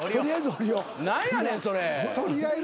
何やねんそれ。